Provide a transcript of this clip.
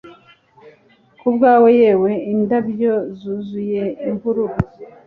Kubwawe yewe indabyo zuzuye imvururu